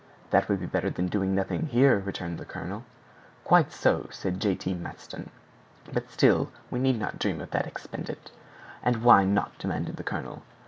"That would be better than doing nothing here," returned the colonel. "Quite so," said J. T. Matson; "but still we need not dream of that expedient." "And why not?" demanded the colonel.